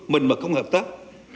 mình mà không hợp tác